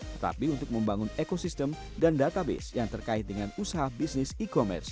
tetapi untuk membangun ekosistem dan database yang terkait dengan usaha bisnis e commerce